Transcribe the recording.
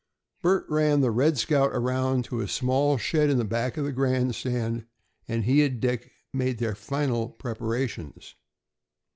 Bert ran the "Red Scout" around to a small shed in back of the grandstand, and he and Dick made their final preparations.